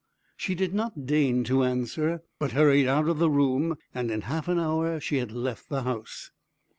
She did not deign to answer, but hurried out of the room. In half an hour she had left the house.